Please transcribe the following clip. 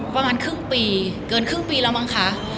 ประมาณครึ่งปีเกินครึ่งปีแล้วมั้งคะ